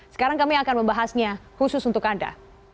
sekarang kami akan membahasnya khusus untuk anda